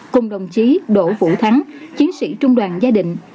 cùng đồng chí đỗ vũ thắng chiến sĩ trung đoàn gia đình